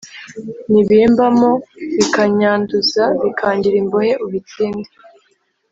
Nibimbamo bikanyanduza bikangira imbohe ubitsinde